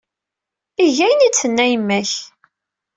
Eg ayen ay d-tenna yemma-k.